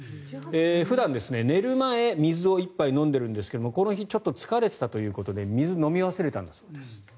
普段、寝る前水を１杯飲んでいるんですがこの日、ちょっと疲れていたということで水を飲み忘れたんだそうです。